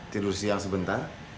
tidur siang sebentar